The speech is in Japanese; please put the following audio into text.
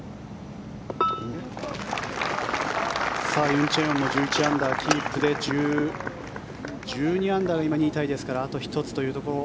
ユン・チェヨンも１１アンダーキープで１２アンダーが今２位タイですからあと１つというところ。